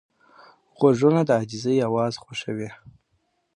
غوږونه د عاجزۍ اواز خوښوي